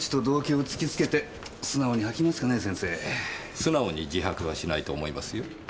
素直に自白はしないと思いますよ。